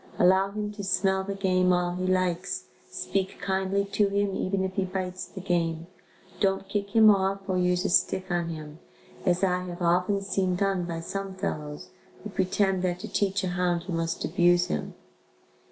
Allow him to smell the game all he likes, speak kindly to him even if he bites the game, don't kick him off or use a stick on him, as I have often seen done by some fellows who pretend that to teach a hound you must abuse him.